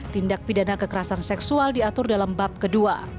tindak pidana kekerasan seksual diatur dalam bab kedua